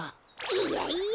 いやいや！